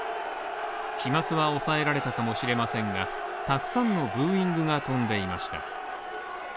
飛まつは抑えられたかもしれませんがたくさんのブーイングが飛んでいました。